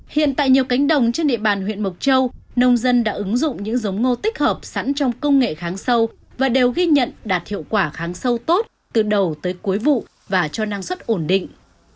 hiện tại nhiều cánh đồng trên địa bàn huyện mộc châu nông dân đã ứng dụng những giống ngô tích hợp sẵn trong công nghệ kháng sâu và đều ghi nhận đạt hiệu quả kháng sâu tốt từ đầu tới cuối vụ và cho năng suất ổn định